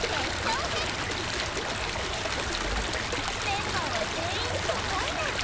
メンバーは全員初対面！